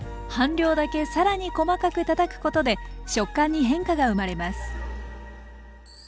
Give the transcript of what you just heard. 半量だけ更に細かくたたくことで食感に変化が生まれます。